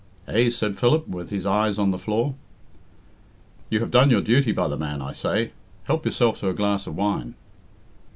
"Eh?" said Philip, with his eyes on the floor. "You have done your duty by the man, I say. Help yourself to a glass of wine."